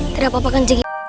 tidak apa apa kan